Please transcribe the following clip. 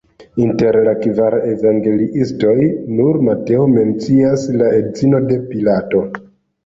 Inter la kvar evangeliistoj nur Mateo mencias la edzinon de Pilato.